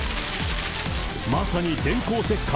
まさに電光石火。